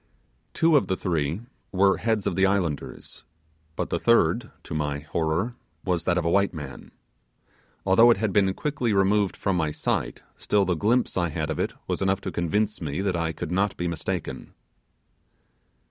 Two of the three were heads of the islanders; but the third, to my horror, was that of a white man. Although it had been quickly removed from my sight, still the glimpse I had of it was enough to convince me that I could not be mistaken.